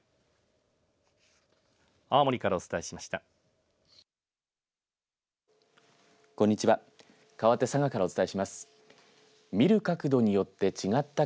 青森からお伝えしました。